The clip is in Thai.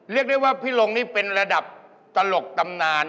เรียกได้ว่าพี่ลงนี่เป็นระดับตลกตำนาน